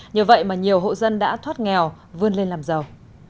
nhờ vậy mà nhiều hộ dân đã thoát nghèo vươn lên làm giàu